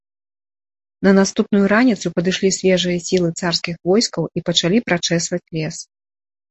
На наступную раніцу падышлі свежыя сілы царскіх войскаў і пачалі прачэсваць лес.